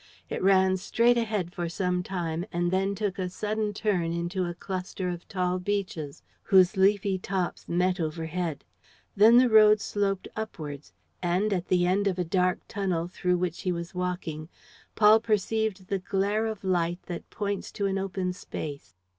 It ran straight ahead for some time and then took a sudden turn into a cluster of tall beeches whose leafy tops met overhead. Then the road sloped upwards; and, at the end of the dark tunnel through which he was walking, Paul perceived the glare of light that points to an open space.